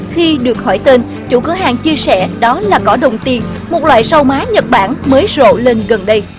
khi được hỏi tên chủ cửa hàng chia sẻ đó là cỏ đồng tiền một loại sầu má nhật bản mới rộ lên gần đây